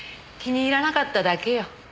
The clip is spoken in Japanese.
気に入らなかっただけよ。